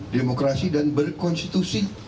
demokrasi dan berkonstitusi